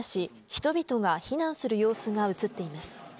人々が避難する様子が映っています。